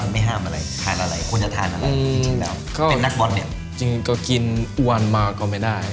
แล้วถ้าอยู่ในเมืองไทย